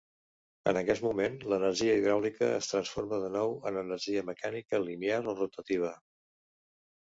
En aquest moment, l'energia hidràulica es transforma de nou en energia mecànica linear o rotativa.